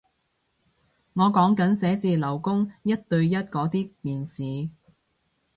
我講緊寫字樓工一對一嗰啲面試